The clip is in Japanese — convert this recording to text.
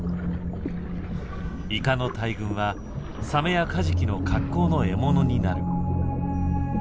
イカの大群はサメやカジキの格好の獲物になる。